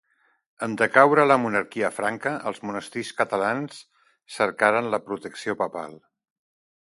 En decaure la monarquia franca, els monestirs catalans cercaren la protecció papal.